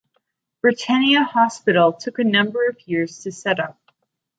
"Britannia Hospital" took a number of years to set up.